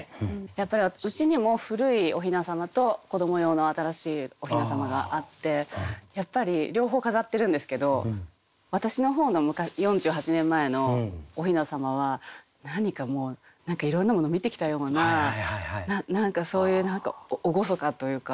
やっぱりうちにも古いお雛様と子ども用の新しいお雛様があってやっぱり両方飾ってるんですけど私の方の４８年前のお雛様は何かもういろんなものを見てきたような何かそういう何か厳かというか。